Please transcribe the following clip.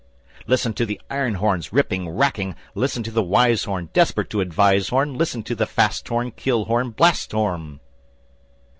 # Listen to the iron horns, ripping, racking, Listen to the wise horn, desperate to advise horn, Listen to the fast horn, kill horn, blast horn....